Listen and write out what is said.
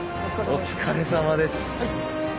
お疲れさまです。